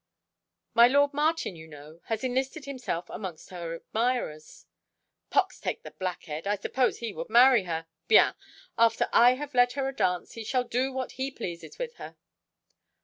"My lord Martin, you know, has enlisted himself amongst her admirers." "Pox take the blockhead, I suppose he would marry her. Bien. After I have led her a dance, he shall do what he pleases with her."